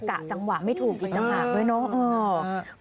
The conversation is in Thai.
กะจังหวะไม่ถูกอีกต่างหากด้วยเนอะ